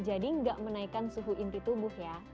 jadi gak menaikan suhu inti tubuh ya